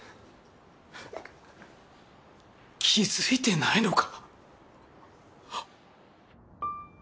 気づいてないのか！？